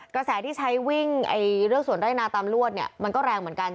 กระแสที่ใช้วิ่งเลือกส่วนได้นาตามลวดมันก็แรงเหมือนกัน